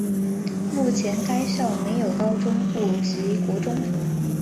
目前该校设有高中部及国中部。